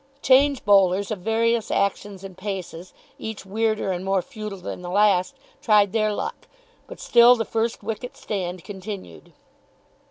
Change bowlers of various actions and paces, each weirder and more futile than the last, tried their luck. But still the first wicket stand continued.